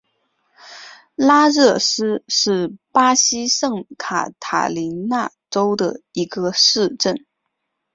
拉热斯是巴西圣卡塔琳娜州的一个市镇。